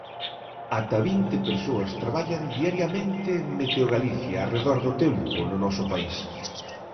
Ata vinte persoas traballan diariamente en Meteogalicia arredor do tempo no noso país.